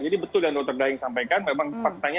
jadi betul yang dr daeng sampaikan memang faktanya